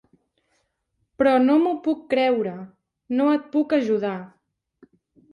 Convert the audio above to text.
Però no m'ho puc creure! No et puc ajudar!